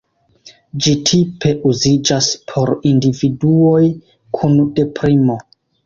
Ĝi tipe uziĝas por individuoj kun deprimo.